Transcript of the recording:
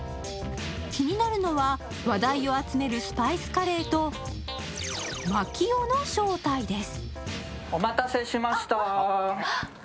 気になるのは話題を集める、スパイスカレーとマキオの正体です。